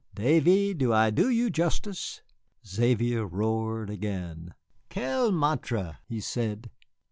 Davy, do I do you justice?" Xavier roared again. "Quel maître!" he said.